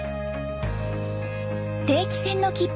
定期船の切符